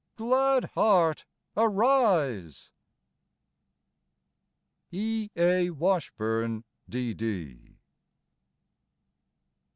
Glad heart, arise ! E. A. Washburn, D.